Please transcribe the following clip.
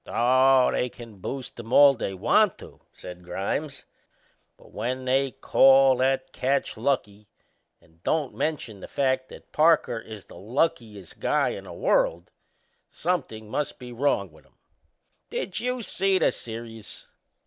"Oh, they can boost him all they want to," said Grimes; "but when they call that catch lucky and don't mention the fact that Parker is the luckiest guy in the world, somethin' must be wrong with 'em. Did you see the serious?"